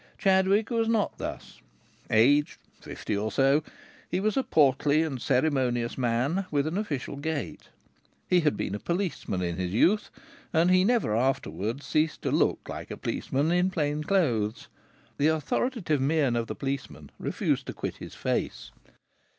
Chadwick was not thus. Aged fifty or so, he was a portly and ceremonious man with an official gait. He had been a policeman in his youth, and he never afterwards ceased to look like a policeman in plain clothes. The authoritative mien of the policeman refused to quit his face.